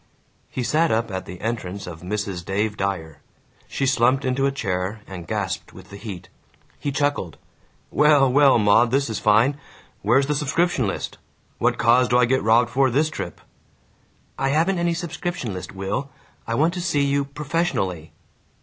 He sat up at the entrance of Mrs. Dave Dyer. She slumped into a chair and gasped with the heat. He chuckled, "Well, well, Maud, this is fine. Where's the subscription list? What cause do I get robbed for, this trip?" "I haven't any subscription list, Will. I want to see you professionally."